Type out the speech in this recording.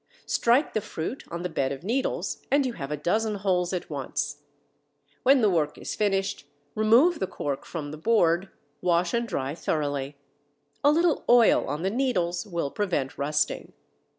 Strike the fruit on the bed of needles, and you have a dozen holes at once. When the work is finished, remove the cork from the board, wash and dry thoroughly. A little oil on the needles will prevent rusting.